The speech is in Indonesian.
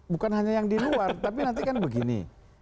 bukan hanya yang di luar tapi nanti kan begini